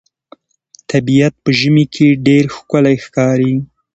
طبیعت په ژمي کې ډېر ښکلی ښکاري.